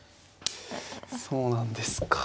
そうなんですか。